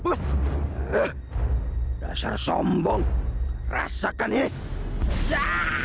berdasar sombong rasakan nih ya